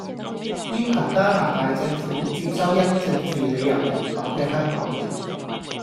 要求加拿大政府接收因政治理由離港既香港人，